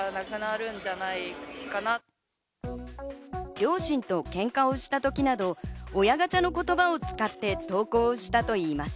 両親とけんかをした時など親ガチャの言葉を使って投稿したといいます。